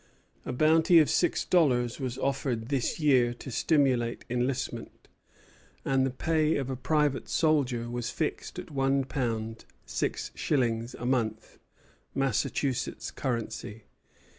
A bounty of six dollars was offered this year to stimulate enlistment, and the pay of a private soldier was fixed at one pound six shillings a month, Massachusetts currency.